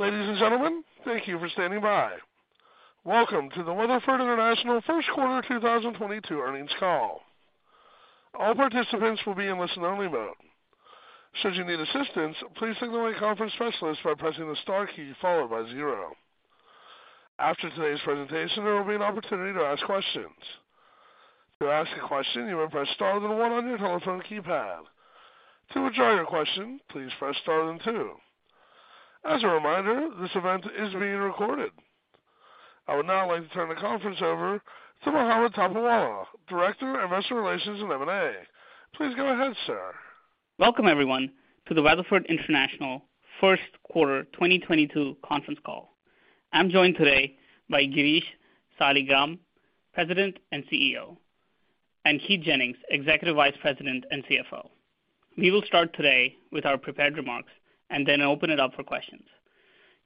Ladies and gentlemen, thank you for standing by. Welcome to the Weatherford International Q1 2022 earnings call. All participants will be in listen-only mode. Should you need assistance, please signal a conference specialist by pressing the star key followed by zero. After today's presentation, there will be an opportunity to ask questions. To ask a question, you may press star then one on your telephone keypad. To withdraw your question, please press star then two. As a reminder, this event is being recorded. I would now like to turn the conference over to Mohammed Topiwala, Director of Investor Relations and M&A. Please go ahead, sir. Welcome everyone to the Weatherford International Q1 2022 Conference Call. I'm joined today by Girish Saligram, President and CEO, and Keith Jennings, Executive Vice President and CFO. We will start today with our prepared remarks and then open it up for questions.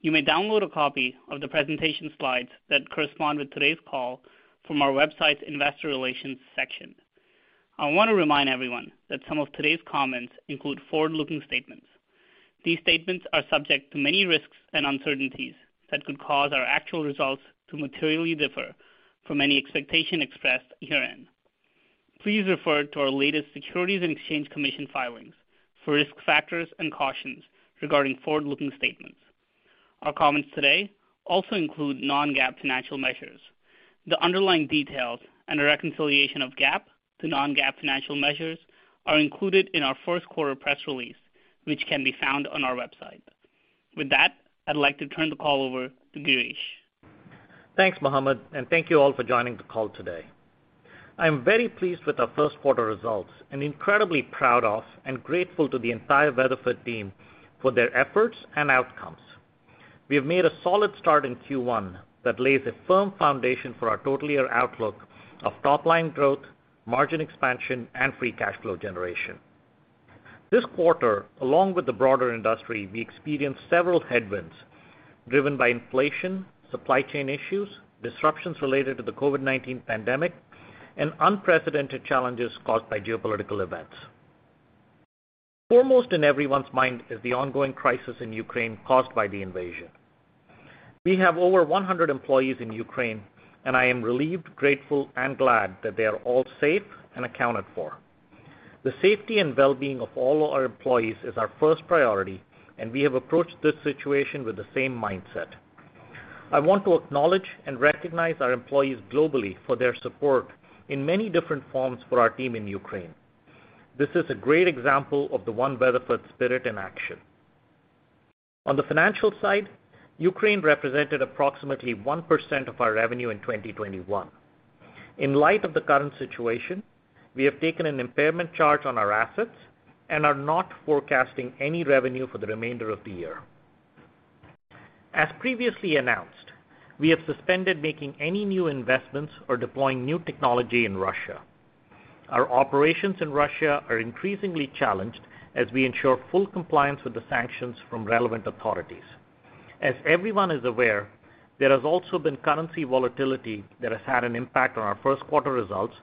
You may download a copy of the presentation slides that correspond with today's call from our website's Investor Relations section. I wanna remind everyone that some of today's comments include forward-looking statements. These statements are subject to many risks and uncertainties that could cause our actual results to materially differ from any expectation expressed herein. Please refer to our latest Securities and Exchange Commission filings for risk factors and cautions regarding forward-looking statements. Our comments today also include non-GAAP financial measures. The underlying details and a reconciliation of GAAP to non-GAAP financial measures are included in our Q1 press release, which can be found on our website. With that, I'd like to turn the call over to Girish. Thanks, Mohammed, and thank you all for joining the call today. I am very pleased with our Q1 results and incredibly proud of and grateful to the entire Weatherford team for their efforts and outcomes. We have made a solid start in Q1 that lays a firm foundation for our total year outlook of top-line growth, margin expansion, and free cash flow generation. This quarter, along with the broader industry, we experienced several headwinds driven by inflation, supply chain issues, disruptions related to the COVID-19 pandemic, and unprecedented challenges caused by geopolitical events. Foremost in everyone's mind is the ongoing crisis in Ukraine caused by the invasion. We have over 100 employees in Ukraine, and I am relieved, grateful, and glad that they are all safe and accounted for. The safety and well-being of all our employees is our first priority, and we have approached this situation with the same mindset. I want to acknowledge and recognize our employees globally for their support in many different forms for our team in Ukraine. This is a great example of the One Weatherford spirit in action. On the financial side, Ukraine represented approximately 1% of our revenue in 2021. In light of the current situation, we have taken an impairment charge on our assets and are not forecasting any revenue for the remainder of the year. As previously announced, we have suspended making any new investments or deploying new technology in Russia. Our operations in Russia are increasingly challenged as we ensure full compliance with the sanctions from relevant authorities. As everyone is aware, there has also been currency volatility that has had an impact on our Q1 results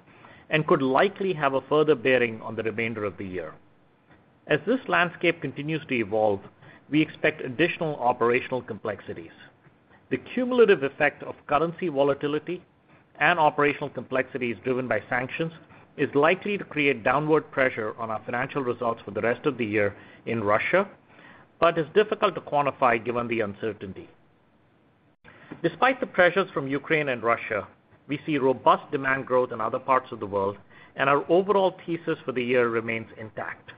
and could likely have a further bearing on the remainder of the year. As this landscape continues to evolve, we expect additional operational complexities. The cumulative effect of currency volatility and operational complexities driven by sanctions is likely to create downward pressure on our financial results for the rest of the year in Russia, but is difficult to quantify given the uncertainty. Despite the pressures from Ukraine and Russia, we see robust demand growth in other parts of the world, and our overall thesis for the year remains intact.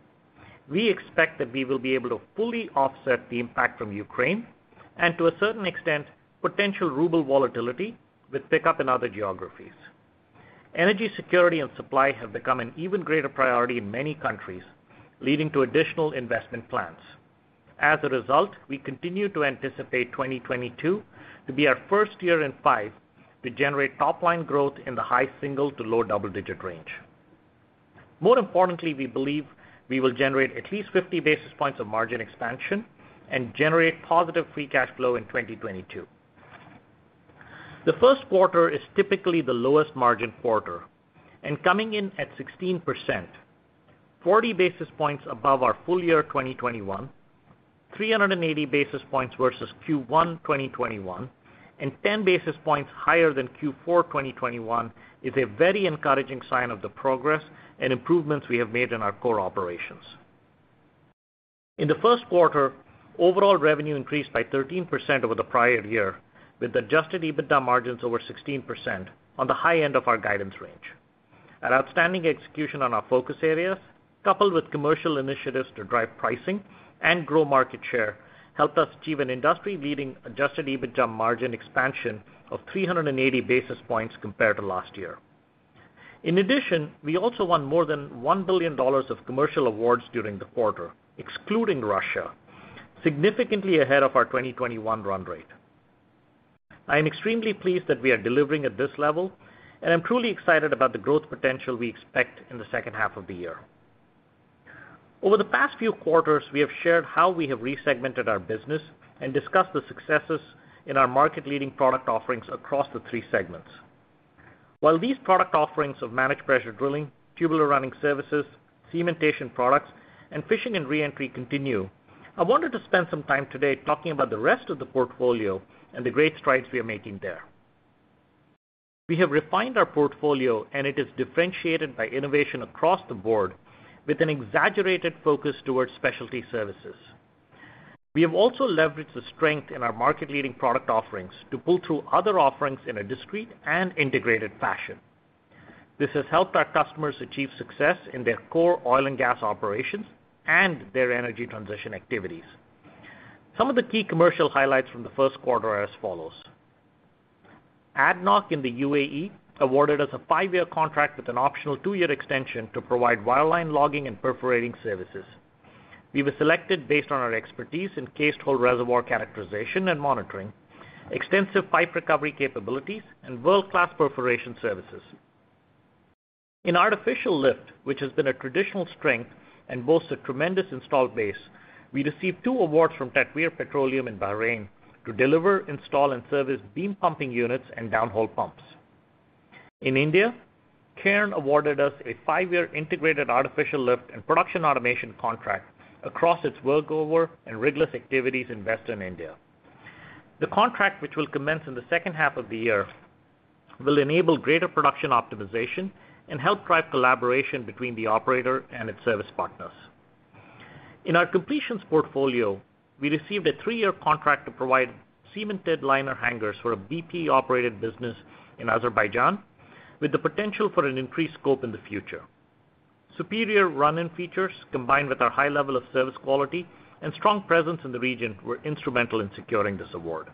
We expect that we will be able to fully offset the impact from Ukraine and to a certain extent, potential ruble volatility with pickup in other geographies. Energy security and supply have become an even greater priority in many countries, leading to additional investment plans. As a result, we continue to anticipate 2022 to be our first year in five to generate top-line growth in the high single-digit to low double-digit range. More importantly, we believe we will generate at least 50 basis points of margin expansion and generate positive free cash flow in 2022. The Q1 is typically the lowest-margin quarter, and coming in at 16%, 40 basis points above our full-year 2021, 380 basis points versus Q1 2021, and 10 basis points higher than Q4 2021 is a very encouraging sign of the progress and improvements we have made in our core operations. In the Q1, overall revenue increased by 13% over the prior year, with adjusted EBITDA margins over 16% on the high-end of our guidance range. Outstanding execution on our focus areas, coupled with commercial initiatives to drive pricing and grow market share, helped us achieve an industry-leading adjusted EBITDA margin expansion of 380 basis points compared to last year. In addition, we also won more than $1 billion of commercial awards during the quarter, excluding Russia, significantly ahead of our 2021 run rate. I am extremely pleased that we are delivering at this level, and I'm truly excited about the growth potential we expect in the second half of the year. Over the past few quarters, we have shared how we have resegmented our business and discussed the successes in our market-leading product offerings across the three segments. While these product offerings of managed pressure drilling, tubular running services, Cementation Products, and fishing and re-entry continue, I wanted to spend some time today talking about the rest of the portfolio and the great strides we are making there. We have refined our portfolio, and it is differentiated by innovation across the board with an exaggerated focus towards specialty services. We have also leveraged the strength in our market-leading product offerings to pull through other offerings in a discreet and integrated fashion. This has helped our customers achieve success in their core oil and gas operations and their energy transition activities. Some of the key commercial highlights from the Q1 are as follows. ADNOC in the UAE awarded us a five-year contract with an optional two-year extension to provide wireline logging and perforating services. We were selected based on our expertise in cased-hole reservoir characterization and monitoring, extensive pipe recovery capabilities, and world-class perforating services. In artificial lift, which has been a traditional strength and boasts a tremendous installed base, we received two awards from Tatweer Petroleum in Bahrain to deliver, install, and service beam pumping units and downhole pumps. In India, Cairn awarded us a five-year integrated artificial lift and production automation contract across its workover and rigless activities in Western India. The contract, which will commence in the second half of the year, will enable greater production optimization and help drive collaboration between the operator and its service partners. In our completions portfolio, we received a 3-year contract to provide cemented liner hangers for a BP-operated business in Azerbaijan, with the potential for an increased scope in the future. Superior run-in features combined with our high-level of service quality and strong presence in the region were instrumental in securing this award.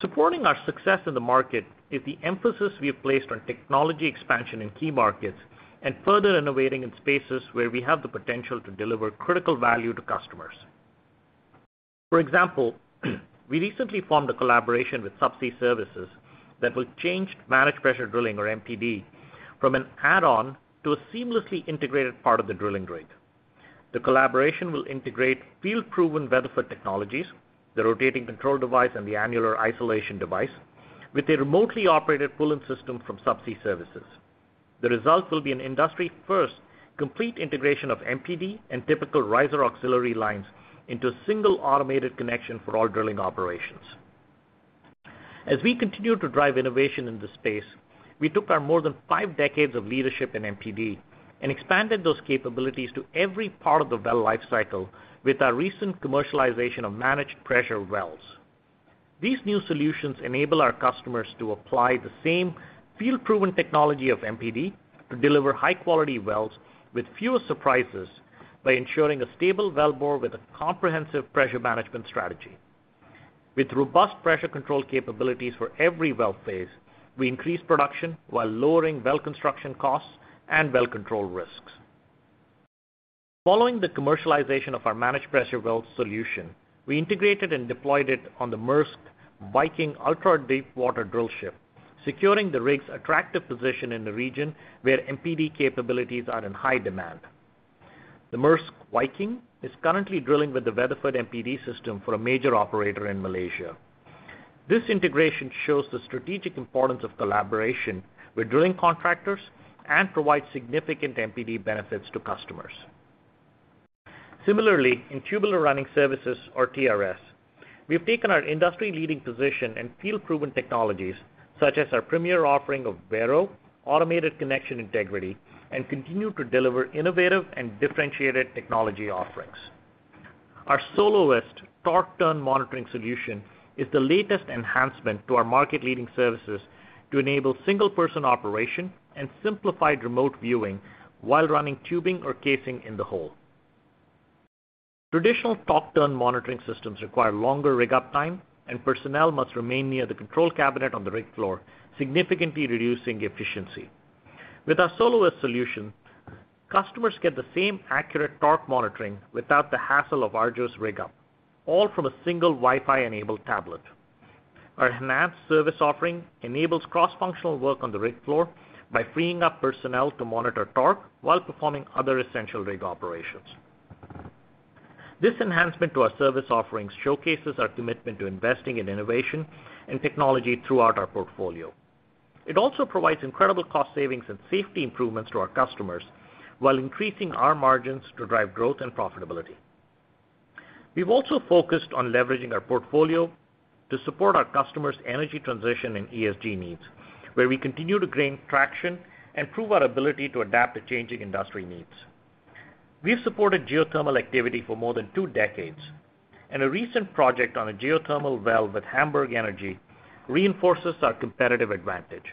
Supporting our success in the market is the emphasis we have placed on technology expansion in key markets and further innovating in spaces where we have the potential to deliver critical value to customers. For example, we recently formed a collaboration with Subsea 7 that will change managed pressure drilling, or MPD, from an add-on to a seamlessly integrated part of the drilling rig. The collaboration will integrate field-proven Weatherford technologies, the rotating control device and the annular isolation device, with a remotely operated pulling system from Subsea 7. The result will be an industry-first complete integration of MPD and typical riser auxiliary lines into a single-automated connection for all drilling operations. As we continue to drive innovation in this space, we took our more than five decades of leadership in MPD and expanded those capabilities to every part of the well life cycle with our recent commercialization of Managed Pressure Wells. These new solutions enable our customers to apply the same field-proven technology of MPD to deliver high-quality wells with fewer surprises by ensuring a stable wellbore with a comprehensive pressure management strategy. With robust pressure control capabilities for every well-phase, we increase production while lowering well construction costs and well-control risks. Following the commercialization of our Managed Pressure Wells solution, we integrated and deployed it on the Maersk Viking ultra-deepwater drillship, securing the rig's attractive position in the region where MPD capabilities are in high-demand. The Maersk Viking is currently drilling with the Weatherford MPD system for a major operator in Malaysia. This integration shows the strategic importance of collaboration with drilling contractors and provides significant MPD benefits to customers. Similarly, in tubular running services, or TRS, we've taken our industry-leading position and field-proven technologies, such as our premier offering of Vero automated connection integrity, and continue to deliver innovative and differentiated technology offerings. Our Soloist torque turn monitoring solution is the latest enhancement to our market-leading services to enable single-person operation and simplified remote viewing while running tubing or casing in the hole. Traditional torque turn monitoring systems require longer rig-up time and personnel must remain near the control cabinet on the rig floor, significantly reducing efficiency. With our Soloist solution, customers get the same accurate torque monitoring without the hassle of arduous rig up, all from a single-Wi-Fi-enabled tablet. Our enhanced service offering enables cross-functional work on the rig floor by freeing up personnel to monitor torque while performing other essential rig operations. This enhancement to our service offerings showcases our commitment to investing in innovation and technology throughout our portfolio. It also provides incredible cost savings and safety improvements to our customers while increasing our margins to drive growth and profitability. We've also focused on leveraging our portfolio to support our customers' energy transition and ESG needs, where we continue to gain traction and prove our ability to adapt to changing industry needs. We've supported geothermal activity for more than two decades, and a recent project on a geothermal well with Hamburg Energie reinforces our competitive advantage.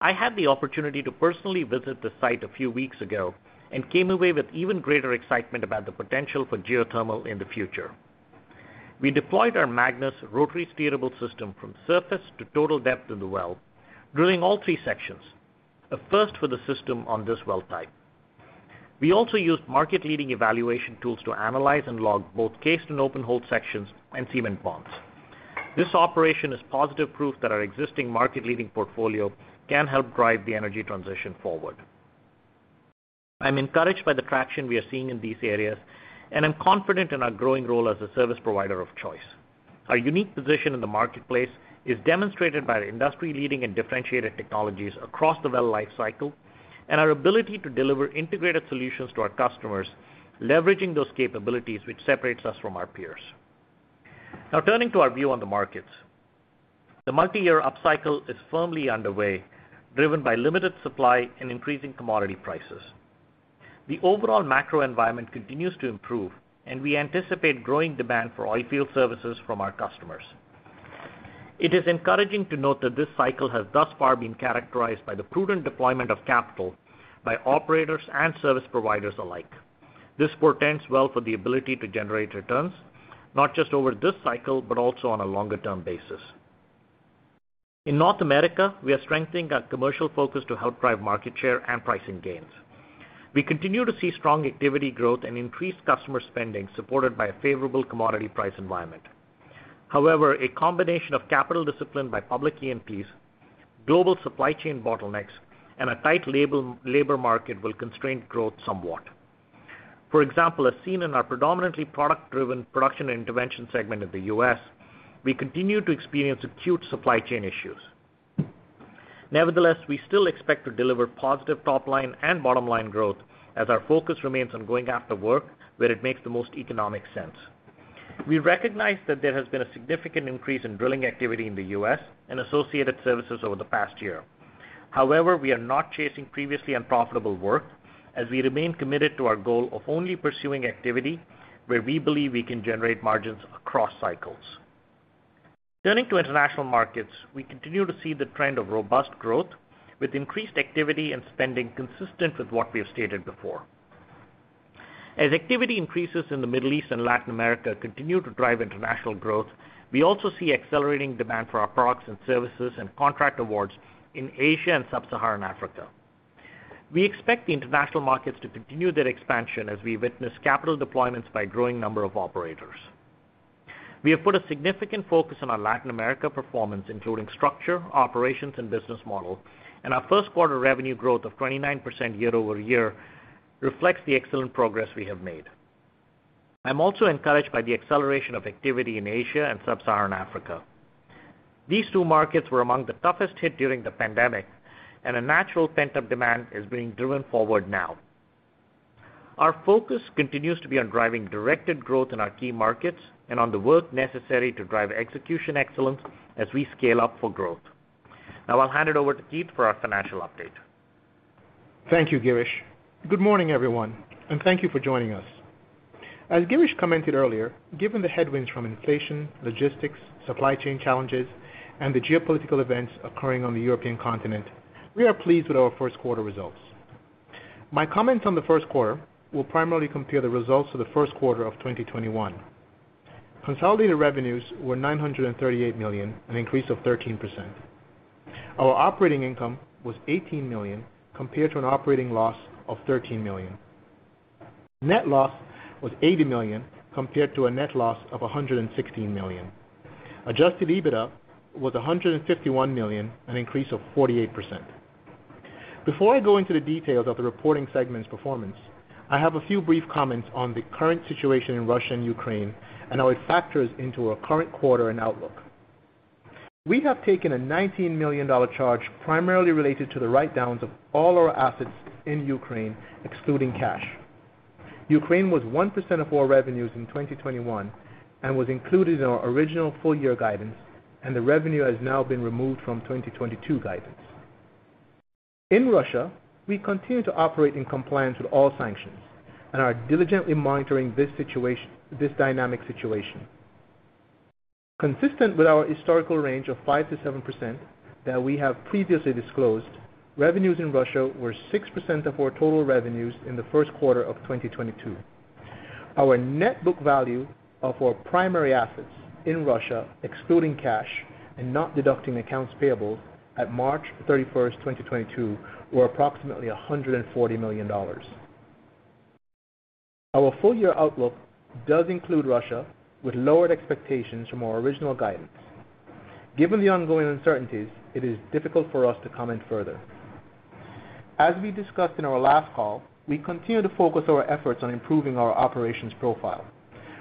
I had the opportunity to personally visit the site a few weeks ago and came away with even greater excitement about the potential for geothermal in the future. We deployed our Magnus rotary steerable system from surface to total depth in the well, drilling all three sections, a first for the system on this well-type. We also used market-leading evaluation tools to analyze and log both cased and open hole sections and cement bonds. This operation is positive proof that our existing market-leading portfolio can help drive the energy transition forward. I'm encouraged by the traction we are seeing in these areas, and I'm confident in our growing role as a service provider of choice. Our unique position in the marketplace is demonstrated by the industry-leading and differentiated technologies across the well-life-cycle and our ability to deliver integrated solutions to our customers, leveraging those capabilities which separates us from our peers. Now turning to our view on the markets. The multi-year upcycle is firmly underway, driven by limited supply and increasing commodity prices. The overall macro environment continues to improve, and we anticipate growing demand for oilfield services from our customers. It is encouraging to note that this cycle has thus far been characterized by the prudent deployment of capital by operators and service providers alike. This portends well for the ability to generate returns, not just over this cycle, but also on a longer-term basis. In North America, we are strengthening our commercial focus to help drive market share and pricing gains. We continue to see strong activity growth and increased customer spending supported by a favorable commodity price environment. However, a combination of capital discipline by public E&Ps, global supply chain bottlenecks, and a tight labor market will constrain growth somewhat. For example, as seen in our predominantly product-driven production intervention segment of the US., we continue to experience acute supply chain issues. Nevertheless, we still expect to deliver positive top-line and bottom-line growth as our focus remains on going after work where it makes the most economic sense. We recognize that there has been a significant increase in drilling activity in the US. and associated services over the past year. However, we are not chasing previously unprofitable work, as we remain committed to our goal of only pursuing activity where we believe we can generate margins across cycles. Turning to international markets, we continue to see the trend of robust growth with increased activity and spending consistent with what we have stated before. As activity increases in the Middle East and Latin America continue to drive international growth, we also see accelerating demand for our products and services and contract awards in Asia and sub-Saharan Africa. We expect the international markets to continue their expansion as we witness capital deployments by a growing number of operators. We have put a significant focus on our Latin America performance, including structure, operations, and business model, and our Q1 revenue growth of 29% year-over-year reflects the excellent progress we have made. I'm also encouraged by the acceleration of activity in Asia and sub-Saharan Africa. These two markets were among the toughest hit during the pandemic, and a natural pent-up demand is being driven forward now. Our focus continues to be on driving directed growth in our key markets and on the work necessary to drive execution excellence as we scale up for growth. Now I'll hand it over to Keith for our financial update. Thank you, Girish. Good morning, everyone, and thank you for joining us. As Girish commented earlier, given the headwinds from inflation, logistics, supply chain challenges, and the geopolitical events occurring on the European continent, we are pleased with our Q1 results. My comments on the Q1 will primarily compare the results of the Q1 2021. Consolidated revenues were $938 million, an increase of 13%. Our operating income was $18 million compared to an operating loss of $13 million. Net loss was $80 million compared to a net loss of $116 million. Adjusted EBITDA was $151 million, an increase of 48%. Before I go into the details of the reporting segment's performance, I have a few brief comments on the current situation in Russia and Ukraine and how it factors into our current quarter and outlook. We have taken a $19 million charge primarily related to the write-downs of all our assets in Ukraine, excluding cash. Ukraine was 1% of our revenues in 2021 and was included in our original full-year guidance, and the revenue has now been removed from 2022 guidance. In Russia, we continue to operate in compliance with all sanctions and are diligently monitoring this dynamic situation. Consistent with our historical range of 5%-7% that we have previously disclosed, revenues in Russia were 6% of our total revenues in the Q1 2022. Our net book value of our primary assets in Russia, excluding cash and not deducting accounts payable at March 31, 2022, were approximately $140 million. Our full-year outlook does include Russia with lowered expectations from our original guidance. Given the ongoing uncertainties, it is difficult for us to comment further. As we discussed in our last call, we continue to focus our efforts on improving our operations profile.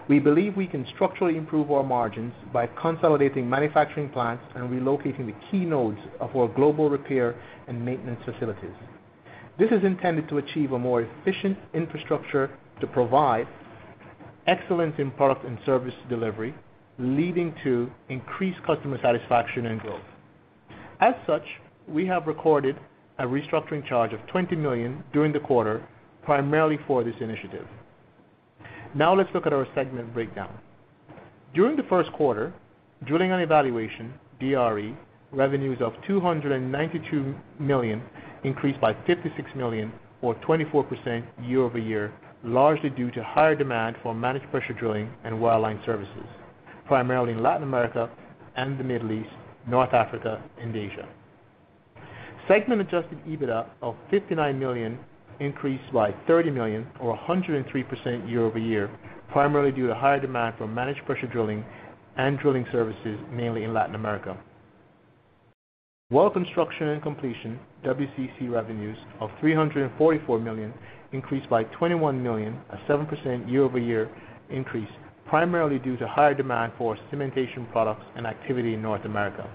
We believe we can structurally improve our margins by consolidating manufacturing plants and relocating the key nodes of our global repair and maintenance facilities. This is intended to achieve a more efficient infrastructure to provide excellence in product and service delivery, leading to increased customer satisfaction and growth. As such, we have recorded a restructuring charge of $20 million during the quarter, primarily for this initiative. Now let's look at our segment breakdown. During the Q1, drilling and evaluation, DRE, revenues of $292 million increased by $56 million or 24% year-over-year, largely due to higher-demand for managed pressure drilling and wireline services, primarily in Latin America and the Middle East, North Africa and Asia. Segment adjusted EBITDA of $59 million increased by $30 million or 103% year-over-year, primarily due to higher-demand for managed pressure drilling and drilling services, mainly in Latin America. Well construction and completion, WCC revenues of $344 million increased by $21 million, a 7% year-over-year increase, primarily due to higher-demand for Cementation Products and activity in North America.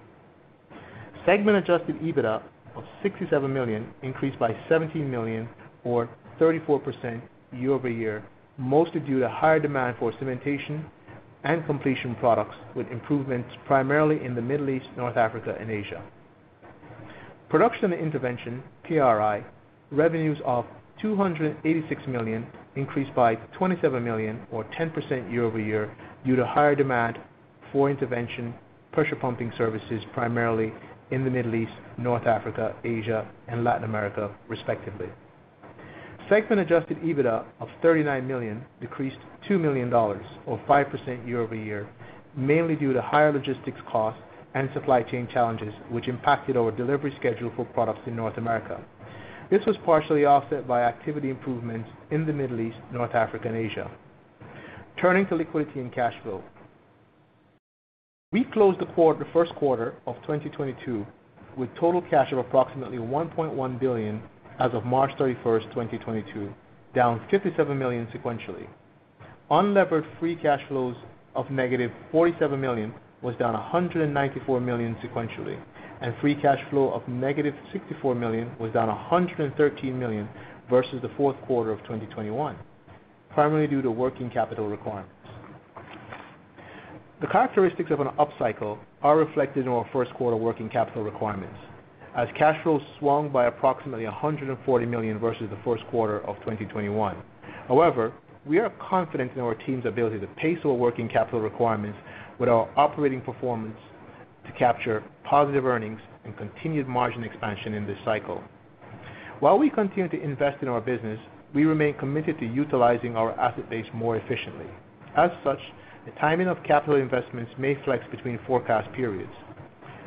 Segment adjusted EBITDA of $67 million increased by $17 million or 34% year-over-year, mostly due to higher-demand for cementation and completion products with improvements primarily in the Middle East, North Africa, and Asia. Production intervention, PRI, revenues of $286 million increased by $27 million or 10% year-over-year due to higher-demand for intervention and pressure pumping services, primarily in the Middle East, North Africa, Asia, and Latin America, respectively. Segment adjusted EBITDA of $39 million decreased $2 million, or 5% year-over-year, mainly due to higher logistics costs and supply chain challenges, which impacted our delivery schedule for products in North America. This was partially offset by activity improvements in the Middle East, North Africa, and Asia. Turning to liquidity and cash flow. We closed the Q1 2022 with total cash of approximately $1.1 billion as of March 31, 2022, down $57 million sequentially. Unlevered free cash flows of -$47 million was down $194 million sequentially, and free cash flow of -$64 million was down $113 million versus the Q4 2021, primarily due to working capital requirements. The characteristics of an upcycle are reflected in our Q1 working capital requirements as cash flows swung by approximately $140 million versus the Q1 2021. However, we are confident in our team's ability to pace our working capital requirements with our operating performance to capture positive earnings and continued margin expansion in this cycle. While we continue to invest in our business, we remain committed to utilizing our asset base more efficiently. As such, the timing of capital investments may flex between forecast periods.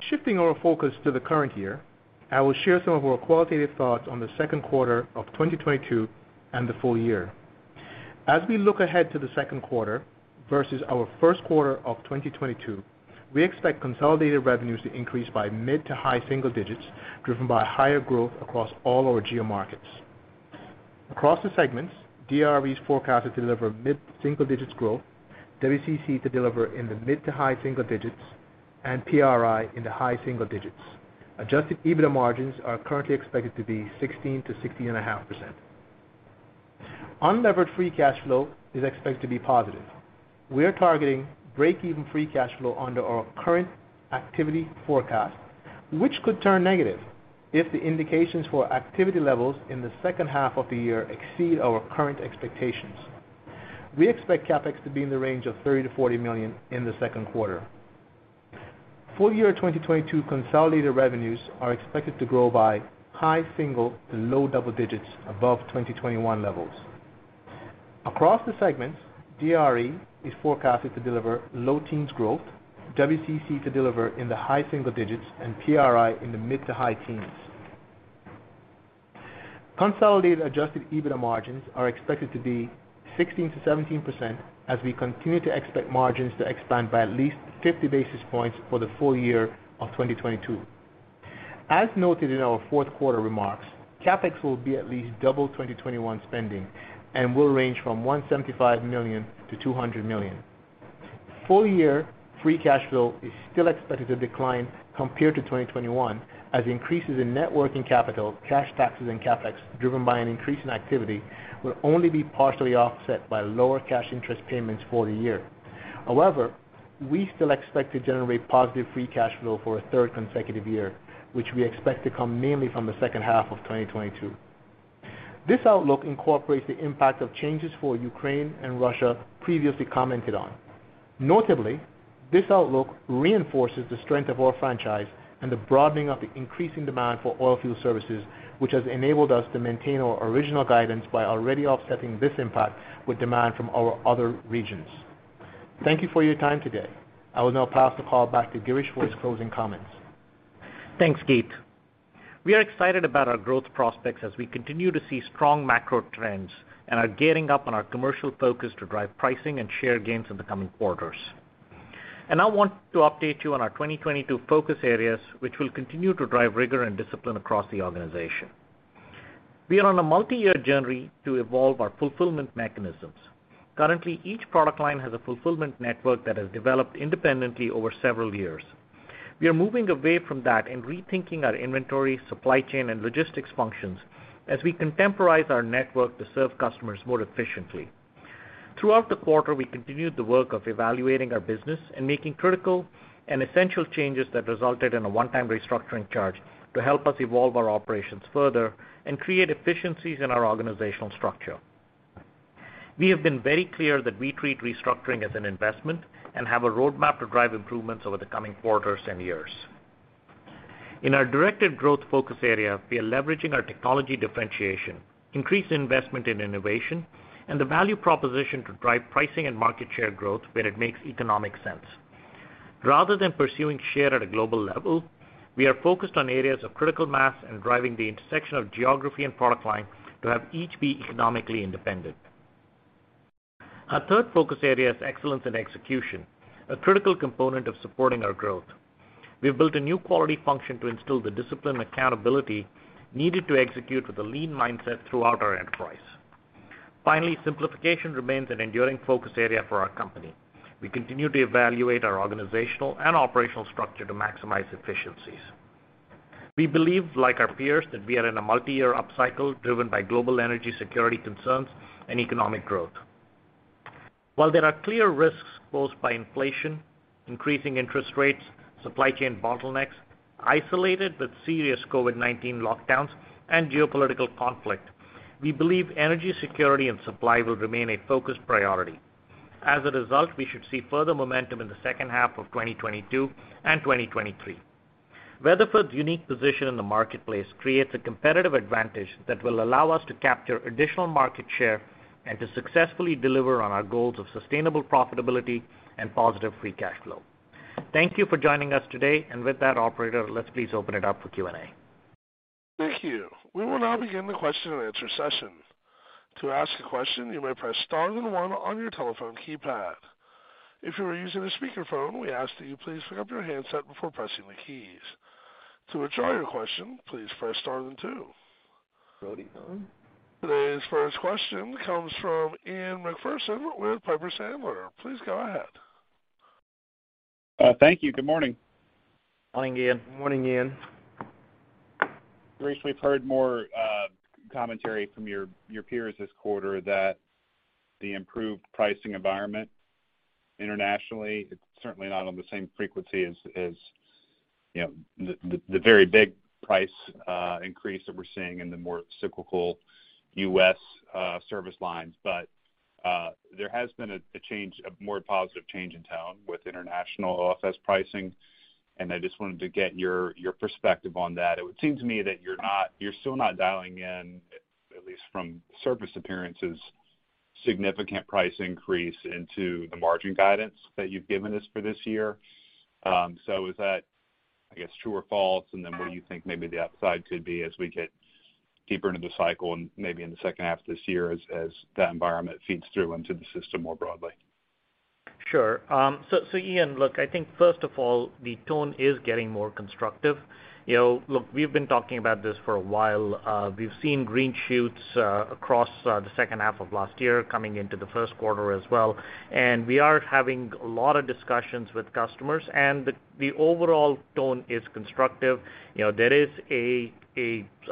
Shifting our focus to the current year, I will share some of our qualitative thoughts on the Q2 2022 and the full-year. As we look ahead to the Q2 versus our Q1 2022, we expect consolidated revenues to increase by mid- to high-single-digits, driven by higher growth across all our geo-markets. Across the segments, DRE is forecasted to deliver mid-single-digits growth, WCC to deliver in the mid- to high-single-digits, and PRI in the high-single-digits. Adjusted EBITDA margins are currently expected to be 16%-16.5%. Unlevered free cash flow is expected to be positive. We are targeting break-even free cash flow under our current activity forecast, which could turn negative if the indications for activity levels in the second half of the year exceed our current expectations. We expect CapEx to be in the range of $30-$40 million in the Q2. Full-year 2022 consolidated revenues are expected to grow by high single-to-low double-digits above 2021 levels. Across the segments, DRE is forecasted to deliver low-teens growth, WCC to deliver in the high single-digits and PRI in the mid-to-high teens. Consolidated adjusted EBITDA margins are expected to be 16%-17% as we continue to expect margins to expand by at least 50 basis points for the full-year of 2022. As noted in our Q4 remarks, CapEx will be at least double 2021 spending and will range from $175 million-$200 million. Full-year free cash flow is still expected to decline compared to 2021 as increases in net working capital, cash taxes and CapEx driven by an increase in activity will only be partially offset by lower cash interest payments for the year. However, we still expect to generate positive free cash flow for a third consecutive year, which we expect to come mainly from the second half of 2022. This outlook incorporates the impact of changes for Ukraine and Russia previously commented on. Notably, this outlook reinforces the strength of our franchise and the broadening of the increasing demand for oil field services, which has enabled us to maintain our original guidance by already offsetting this impact with demand from our other regions. Thank you for your time today. I will now pass the call back to Girish for his closing comments. Thanks, Keith. We are excited about our growth prospects as we continue to see strong macro trends and are gearing up on our commercial focus to drive pricing and share gains in the coming quarters. I want to update you on our 2022 focus areas, which will continue to drive rigor and discipline across the organization. We are on a multi-year journey to evolve our fulfillment mechanisms. Currently, each product line has a fulfillment network that has developed independently over several years. We are moving away from that and rethinking our inventory, supply chain, and logistics functions as we contemporize our network to serve customers more efficiently. Throughout the quarter, we continued the work of evaluating our business and making critical and essential changes that resulted in a one-time restructuring charge to help us evolve our operations further and create efficiencies in our organizational structure. We have been very clear that we treat restructuring as an investment and have a roadmap to drive improvements over the coming quarters and years. In our directed growth focus area, we are leveraging our technology differentiation, increased investment in innovation, and the value proposition to drive pricing and market share growth where it makes economic sense. Rather than pursuing share at a global level, we are focused on areas of critical mass and driving the intersection of geography and product line to have each be economically independent. Our third focus area is excellence in execution, a critical component of supporting our growth. We have built a new quality function to instill the disciplined accountability needed to execute with a lean mindset throughout our enterprise. Finally, simplification remains an enduring focus area for our company. We continue to evaluate our organizational and operational structure to maximize efficiencies. We believe, like our peers, that we are in a multi-year upcycle driven by global energy security concerns and economic growth. While there are clear risks posed by inflation, increasing interest rates, supply chain bottlenecks, isolated but serious COVID-19 lockdowns, and geopolitical conflict, we believe energy security and supply will remain a focused priority. As a result, we should see further momentum in the second half of 2022 and 2023. Weatherford's unique position in the marketplace creates a competitive advantage that will allow us to capture additional market share and to successfully deliver on our goals of sustainable profitability and positive free cash flow. Thank you for joining us today. With that, operator, let's please open it up for Q&A. Thank you. We will now begin the question and answer session. To ask a question, you may press star then one on your telephone keypad. If you are using a speakerphone, we ask that you please pick up your handset before pressing the keys. To withdraw your question, please press star then two. Today's first question comes from Ian Macpherson with Piper Sandler. Please go ahead. Thank you. Good morning. Morning, Ian. Morning, Ian. Girish Saligram, we've heard more commentary from your peers this quarter that the improved pricing environment internationally, it's certainly not on the same frequency as, you know, the very big price increase that we're seeing in the more cyclical US. service lines. There has been a change, a more positive change in tone with international oilfield pricing, and I just wanted to get your perspective on that. It would seem to me that you're still not dialing in, at least from surface appearances, significant price increase into the margin guidance that you've given us for this year. Is that, I guess, true or false? What do you think maybe the upside could be as we get deeper into the cycle and maybe in the second half this year as that environment feeds through into the system more broadly? Sure. Ian, look, I think first of all, the tone is getting more constructive. You know, look, we've been talking about this for a while. We've seen green shoots across the second half of last year coming into the Q1 as well. We are having a lot of discussions with customers, and the overall tone is constructive. You know, there is.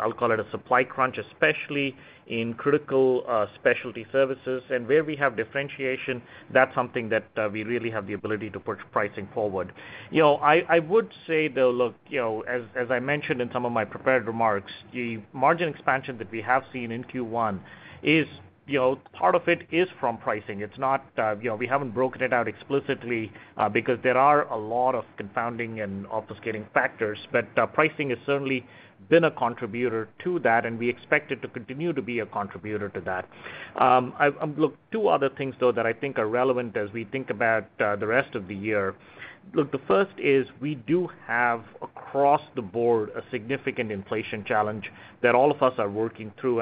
I'll call it a supply crunch, especially in critical specialty services. Where we have differentiation, that's something that we really have the ability to push pricing forward. You know, I would say though, look, you know, as I mentioned in some of my prepared remarks, the margin expansion that we have seen in Q1 is, you know, part of it is from pricing. It's not, you know, we haven't broken it out explicitly, because there are a lot of confounding and obfuscating factors. Pricing has certainly been a contributor to that, and we expect it to continue to be a contributor to that. Look, two other things though that I think are relevant as we think about the rest of the year. Look, the first is we do have across the board a significant inflation challenge that all of us are working through.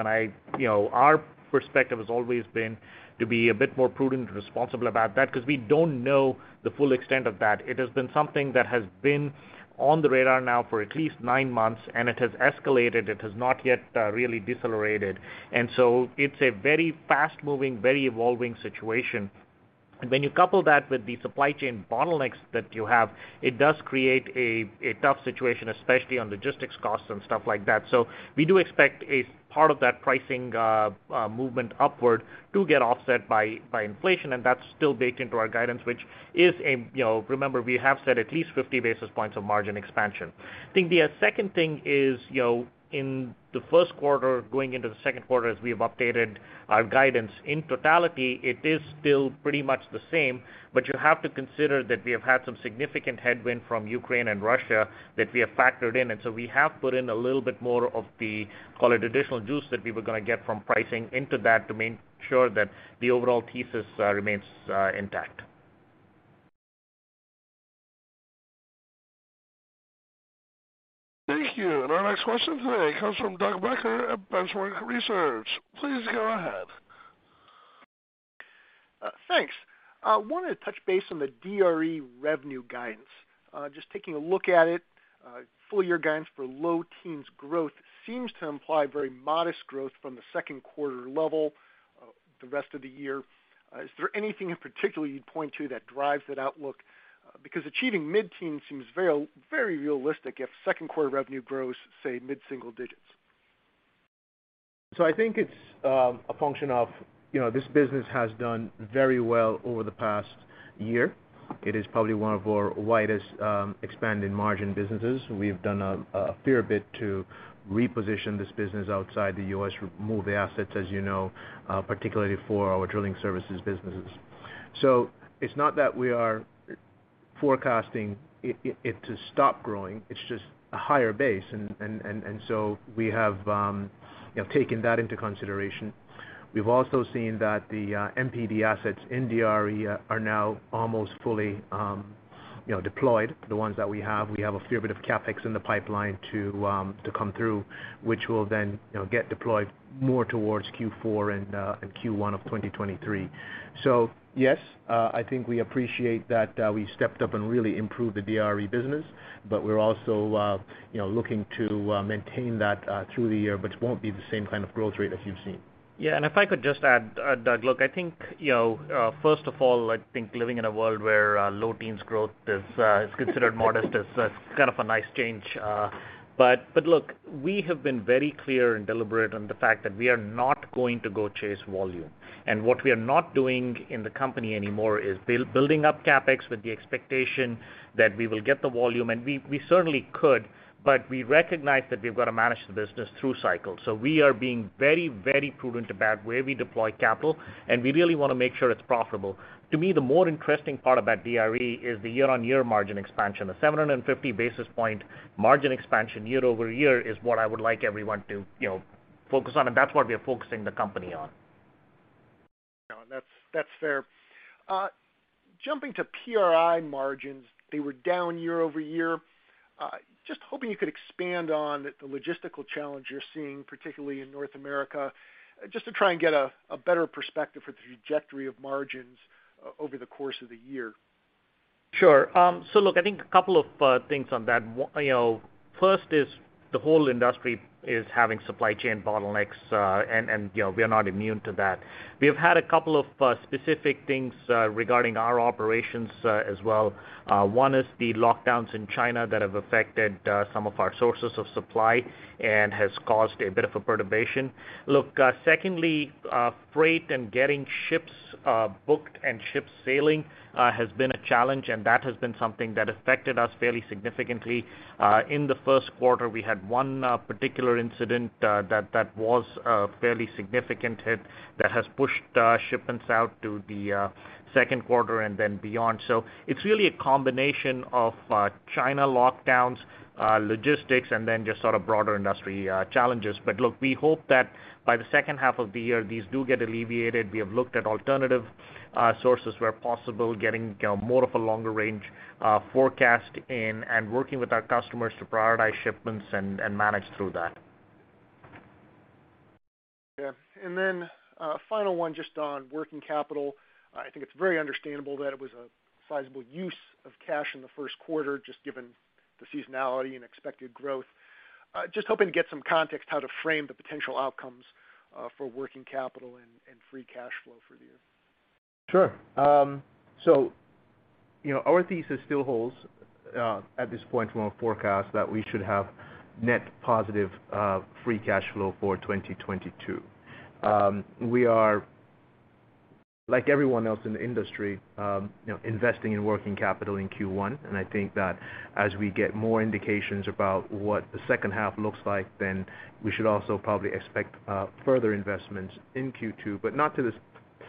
You know, our perspective has always been to be a bit more prudent and responsible about that because we don't know the full extent of that. It has been something that has been on the radar now for at least nine months, and it has escalated. It has not yet really decelerated. It's a very fast-moving, very evolving situation. When you couple that with the supply chain bottlenecks that you have, it does create a tough situation, especially on logistics costs and stuff like that. We do expect a part of that pricing movement upward to get offset by inflation, and that's still baked into our guidance which is a. You know, remember, we have said at least 50 basis points of margin expansion. I think the second thing is, you know, in the Q1 going into the Q2, as we have updated our guidance in totality, it is still pretty much the same, but you have to consider that we have had some significant headwind from Ukraine and Russia that we have factored in. We have put in a little bit more of the, call it, additional juice that we were gonna get from pricing into that to make sure that the overall thesis remains intact. Thank you. Our next question today comes from Doug Becker at The Benchmark Company. Please go ahead. Thanks. Wanted to touch base on the DRE revenue guidance. Just taking a look at it, full-year guidance for low-teens% growth seems to imply very modest growth from the Q2 level the rest of the year. Is there anything in particular you'd point to that drives that outlook? Because achieving mid-teens% seems very, very realistic if Q2 revenue grows, say, mid-single-digit%. I think it's a function of, you know, this business has done very well over the past year. It is probably one of our widest expanding margin businesses. We've done a fair bit to reposition this business outside the US., remove the assets, as you know, particularly for our drilling services businesses. It's not that we are forecasting it to stop growing. It's just a higher-base. We have, you know, taken that into consideration. We've also seen that the MPD assets in DRE are now almost fully You know, deployed the ones that we have, we have a fair bit of CapEx in the pipeline to come through, which will then, you know, get deployed more towards Q4 and Q1 of 2023. Yes, I think we appreciate that, we stepped up and really improved the DRE business, but we're also, you know, looking to maintain that through the year, but it won't be the same kind of growth rate as you've seen. Yeah, if I could just add, Doug, look, I think, you know, first of all, I think living in a world where low-teens growth is considered modest is kind of a nice change. Look, we have been very clear and deliberate on the fact that we are not going to go chase volume. What we are not doing in the company anymore is building up CapEx with the expectation that we will get the volume, and we certainly could, but we recognize that we've got to manage the business through cycles. We are being very, very prudent about where we deploy capital, and we really wanna make sure it's profitable. To me, the more interesting part about DRE is the year-on-year margin expansion. The 750 basis point margin expansion year-over-year is what I would like everyone to, you know, focus on, and that's what we are focusing the company on. No, that's fair. Jumping to PRI margins, they were down year-over-year. Just hoping you could expand on the logistical challenge you're seeing, particularly in North America, just to try and get a better perspective for the trajectory of margins over the course of the year. Sure. Look, I think a couple of things on that. One, you know, first is the whole industry is having supply chain bottlenecks, and you know, we are not immune to that. We have had a couple of specific things regarding our operations as well. One is the lockdowns in China that have affected some of our sources of supply and has caused a bit of a perturbation. Look, secondly, freight and getting ships booked and ships sailing has been a challenge, and that has been something that affected us fairly significantly. In the Q1, we had one particular incident that was a fairly significant hit that has pushed shipments out to the Q2 and then beyond. It's really a combination of China lockdowns, logistics, and then just sort of broader industry challenges. But look, we hope that by the second half of the year, these do get alleviated. We have looked at alternative sources where possible, getting you know, more of a longer range forecast in and working with our customers to prioritize shipments and manage through that. Yeah. Final one just on working capital. I think it's very understandable that it was a sizable use of cash in the Q1 just given the seasonality and expected growth. Just hoping to get some context how to frame the potential outcomes for working capital and free cash flow for the year. Sure. You know, our thesis still holds at this point from our forecast that we should have net positive free cash flow for 2022. We are, like everyone else in the industry, you know, investing in working capital in Q1, and I think that as we get more indications about what the second half looks like, then we should also probably expect further investments in Q2, but not to this,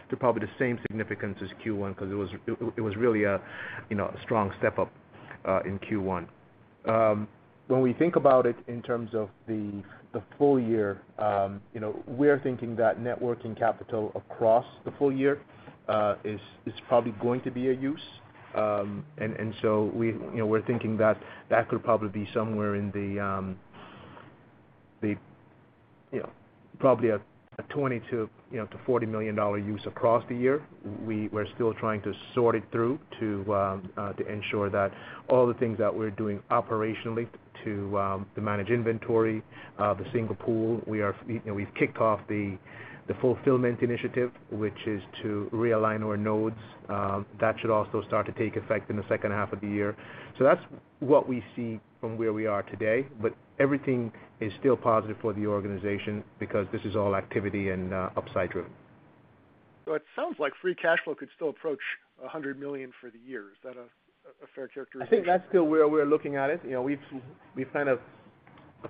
to probably the same significance as Q1 'cause it was it was really a, you know, a strong step-up in Q1. When we think about it in terms of the full-year, you know, we're thinking that net working capital across the full-year is probably going to be a use. We're thinking that could probably be somewhere in the probably a $20-$40 million use across the year. We're still trying to sort it through to ensure that all the things that we're doing operationally to manage inventory, the single pool. You know, we've kicked off the fulfillment initiative, which is to realign our nodes. That should also start to take effect in the second half of the year. That's what we see from where we are today, but everything is still positive for the organization because this is all activity and upside growth. It sounds like free cash flow could still approach $100 million for the year. Is that a fair characterization? I think that's still where we're looking at it. You know, we've kind of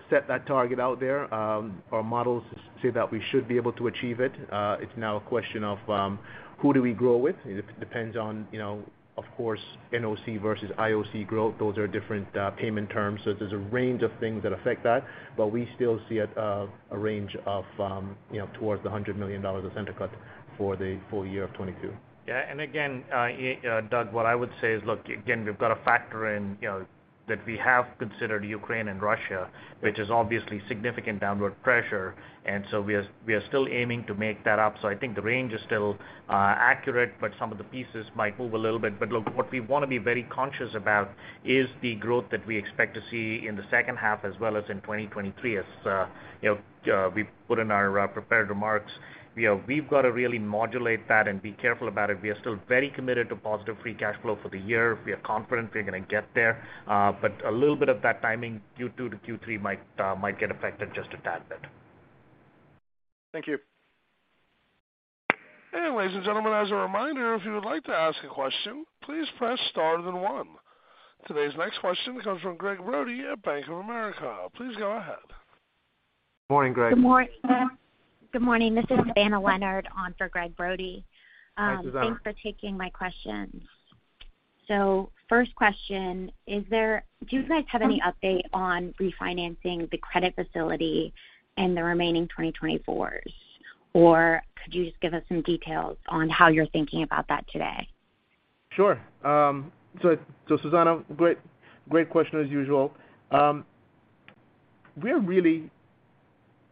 set that target out there. Our models say that we should be able to achieve it. It's now a question of who do we grow with? It depends on, you know, of course, NOC versus IOC growth. Those are different payment terms. There's a range of things that affect that, but we still see a range of, you know, towards $100 million as EBITDA for the full-year of 2022. Yeah. Doug, what I would say is, look, again, we've got to factor in, you know, that we have considered Ukraine and Russia, which is obviously significant downward pressure. We are still aiming to make that up. I think the range is still accurate, but some of the pieces might move a little bit. Look, what we wanna be very conscious about is the growth that we expect to see in the second half as well as in 2023. You know, we put in our prepared remarks, you know, we've got to really modulate that and be careful about it. We are still very committed to positive free cash flow for the year. We are confident we're gonna get there. A little bit of that timing, Q2 to Q3 might get affected just a tad bit. Thank you. Ladies and gentlemen, as a reminder, if you would like to ask a question, please press star then one. Today's next question comes from Gregg Brody at Bank of America. Please go ahead. Morning, Greg. Good morning. This is Savannah Leonard on for Gregg Brody. Hi, Savannah. Thanks for taking my questions. First question, do you guys have any update on refinancing the credit facility in the remaining twenty twenty-fours? Could you just give us some details on how you're thinking about that today? Sure. So, Savannah, great question as usual. We're really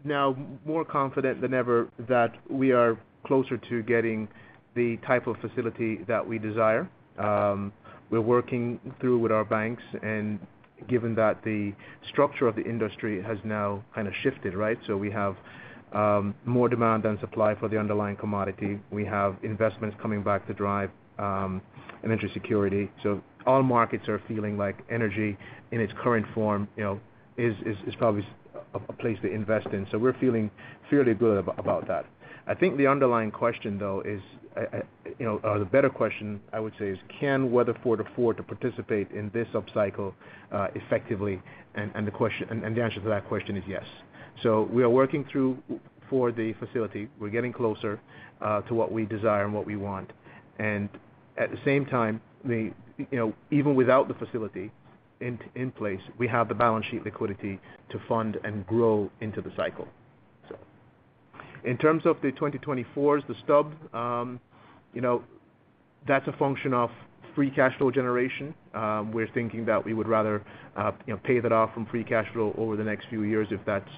now more confident than ever that we are closer to getting the type of facility that we desire. We're working through with our banks, and given that the structure of the industry has now kind of shifted, right? We have more demand than supply for the underlying commodity. We have investments coming back to drive energy security. All markets are feeling like energy in its current form, you know, is probably a place to invest in. We're feeling fairly good about that. I think the underlying question, though, is, or the better question I would say is, can Weatherford afford to participate in this upcycle, effectively? The answer to that question is yes. We are working through for the facility. We're getting closer to what we desire and what we want. At the same time, you know, even without the facility in place, we have the balance sheet liquidity to fund and grow into the cycle. In terms of the twenty twenty-fours, the stub, you know, that's a function of free cash flow generation. We're thinking that we would rather, you know, pay that off from free cash flow over the next few years if that's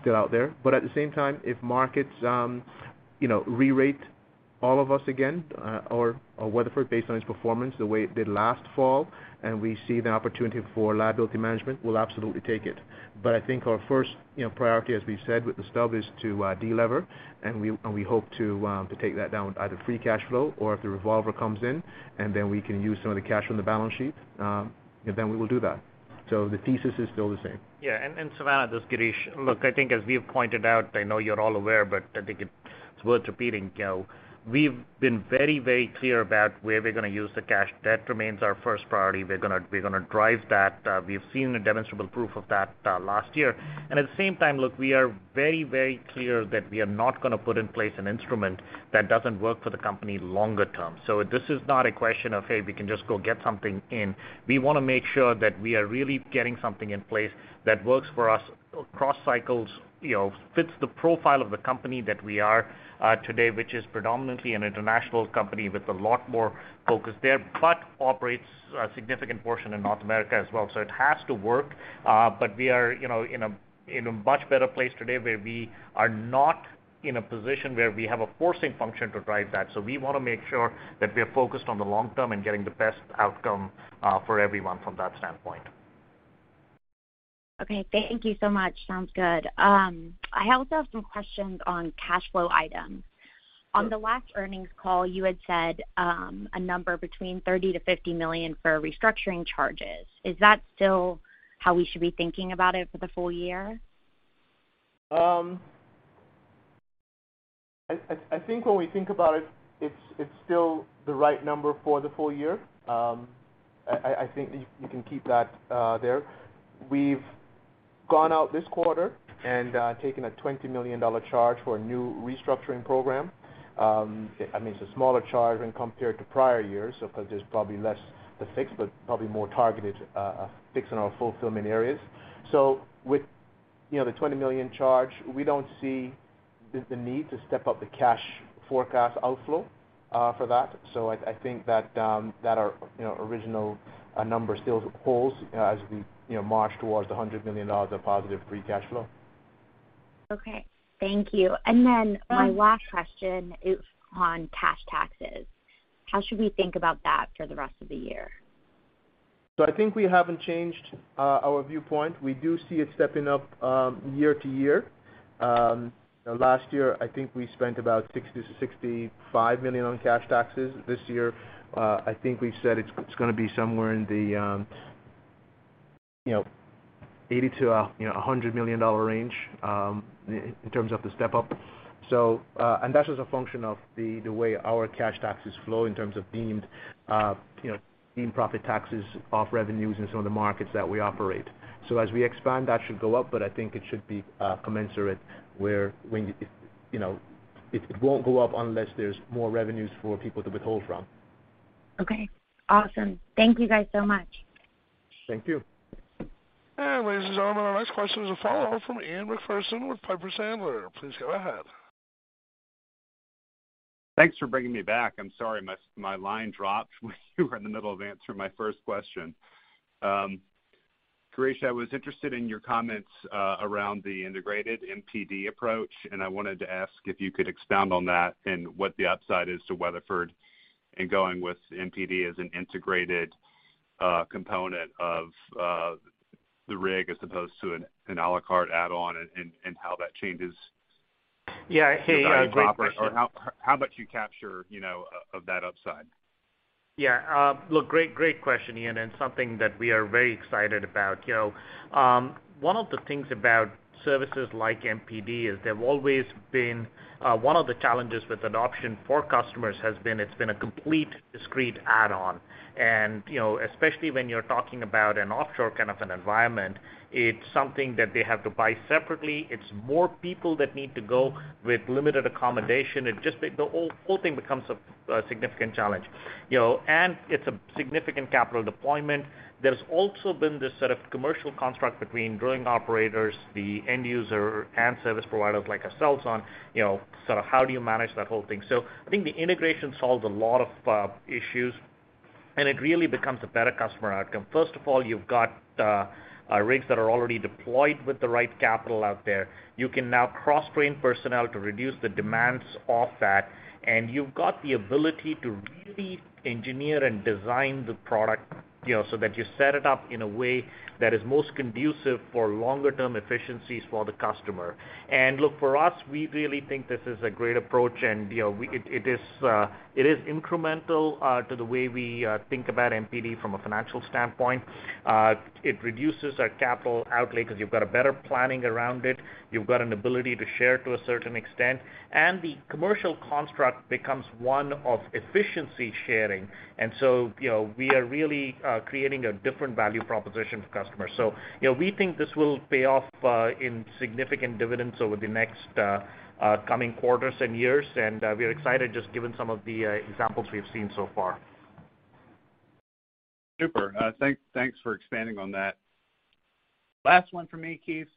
still out there. At the same time, if markets, you know, rerate all of us again, or Weatherford based on its performance the way it did last fall, and we see the opportunity for liability management, we'll absolutely take it. I think our first, you know, priority, as we've said with the stub, is to delever, and we hope to take that down with either free cash flow or if the revolver comes in, and then we can use some of the cash on the balance sheet, then we will do that. The thesis is still the same. Yeah. And Savannah, this is Girish. Look, I think as we have pointed out, I know you're all aware, but I think it's worth repeating. You know, we've been very, very clear about where we're gonna use the cash. Debt remains our first priority. We're gonna drive that. We've seen a demonstrable proof of that last year. At the same time, look, we are very, very clear that we are not gonna put in place an instrument that doesn't work for the company longer-term. This is not a question of, hey, we can just go get something in. We wanna make sure that we are really getting something in place that works for us across cycles, you know, fits the profile of the company that we are today, which is predominantly an international company with a lot more focus there, but operates a significant portion in North America as well. It has to work. We are, you know, in a much better place today where we are not in a position where we have a forcing function to drive that. We wanna make sure that we're focused on the long-term and getting the best outcome for everyone from that standpoint. Okay. Thank you so much. Sounds good. I also have some questions on cash flow items. Sure. On the last earnings call, you had said, a number between $30 million-$50 million for restructuring charges. Is that still how we should be thinking about it for the full-year? I think when we think about it's still the right number for the full-year. I think you can keep that there. We've gone out this quarter and taken a $20 million charge for a new restructuring program. I mean, it's a smaller charge when compared to prior years, so 'cause there's probably less to fix, but probably more targeted fix in our fulfillment areas. With you know, the $20 million charge, we don't see the need to step up the cash forecast outflow for that. I think that our original number still holds as we you know, march towards the $100 million of positive free cash flow. Okay. Thank you. My last question is on cash taxes. How should we think about that for the rest of the year? I think we haven't changed our viewpoint. We do see it stepping up year to year. Last year, I think we spent about $60-$65 million on cash taxes. This year, I think we said it's gonna be somewhere in the, you know, $80-$100 million range, in terms of the step-up. And that's just a function of the way our cash taxes flow in terms of deemed, you know, deemed profit taxes off revenues in some of the markets that we operate. As we expand, that should go up, but I think it should be commensurate where when, you know, it won't go up unless there's more revenues for people to withhold from. Okay. Awesome. Thank you guys so much. Thank you. Ladies and gentlemen, our next question is a follow-up from Ian Macpherson with Piper Sandler. Please go ahead. Thanks for bringing me back. I'm sorry my line dropped when you were in the middle of answering my first question. Girish, I was interested in your comments around the integrated MPD approach, and I wanted to ask if you could expound on that and what the upside is to Weatherford in going with MPD as an integrated component of the rig as opposed to an à la carte add-on and how that changes- Yeah. Hey, great question. design proper or how much you capture, you know, of that upside. Yeah. Look, great question, Ian, and something that we are very excited about. You know, one of the things about services like MPD is they've always been, one of the challenges with adoption for customers has been it's been a complete discrete add-on. You know, especially when you're talking about an offshore kind of an environment, it's something that they have to buy separately. It's more people that need to go with limited accommodation. It just the whole thing becomes a significant challenge, you know. It's a significant capital deployment. There's also been this sort of commercial construct between drilling operators, the end user, and service providers like ourselves on, you know, sort of how do you manage that whole thing? I think the integration solves a lot of issues. It really becomes a better customer outcome. First of all, you've got rigs that are already deployed with the right capital out there. You can now cross-train personnel to reduce the demands of that, and you've got the ability to really engineer and design the product, you know, so that you set it up in a way that is most conducive for longer-term efficiencies for the customer. Look, for us, we really think this is a great approach, and you know, it is incremental to the way we think about MPD from a financial standpoint. It reduces our capital outlay 'cause you've got a better planning around it, you've got an ability to share to a certain extent, and the commercial construct becomes one of efficiency sharing. You know, we are really creating a different value proposition for customers. You know, we think this will pay off in significant dividends over the next coming quarters and years. We're excited just given some of the examples we've seen so far. Super. Thanks for expanding on that. Last one for me, Keith.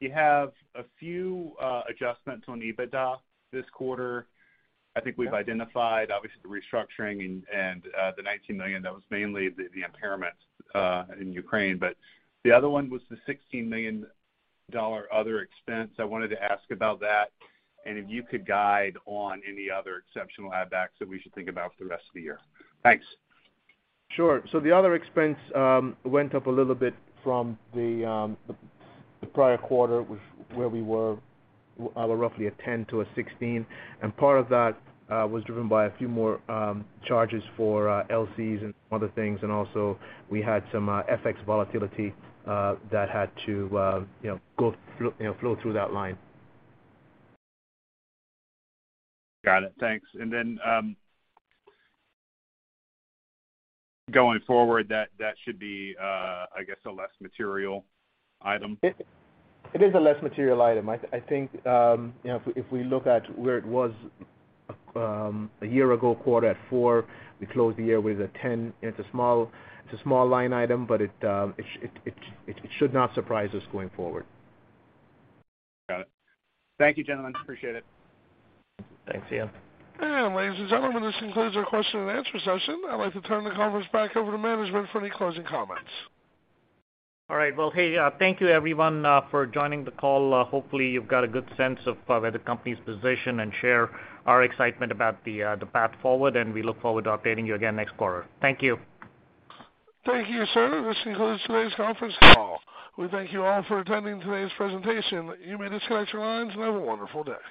You have a few adjustments on EBITDA this quarter. I think we've identified obviously the restructuring and the 19 million. That was mainly the impairment in Ukraine. The other one was the $16 million other expense. I wanted to ask about that and if you could guide on any other exceptional add backs that we should think about for the rest of the year. Thanks. Sure. The other expense went up a little bit from the prior quarter with where we were roughly $10-$16, and part of that was driven by a few more charges for LCs and other things. Also we had some FX volatility that had to, you know, go through, you know, flow through that line. Got it. Thanks. Going forward, that should be, I guess a less material item. It is a less material item. I think, you know, if we look at where it was a year ago, Q4, we closed the year with a 10. It's a small line item, but it should not surprise us going forward. Got it. Thank you, gentlemen. Appreciate it. Thanks, Ian. Ladies and gentlemen, this concludes our question and answer session. I'd like to turn the conference back over to management for any closing comments. All right. Well, hey, thank you everyone for joining the call. Hopefully you've got a good sense of where the company's positioned and share our excitement about the path forward, and we look forward to updating you again next quarter. Thank you. Thank you, sir. This concludes today's Conference Call. We thank you all for attending today's presentation. You may disconnect your lines and have a wonderful day.